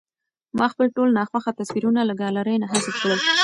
ما خپل ټول ناخوښه تصویرونه له ګالرۍ نه حذف کړل.